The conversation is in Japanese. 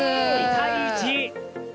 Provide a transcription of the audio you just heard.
２対１。